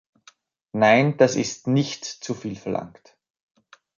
Nein, das ist nicht zu viel verlangt!